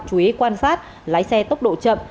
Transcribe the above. chú ý quan sát lái xe tốc độ chậm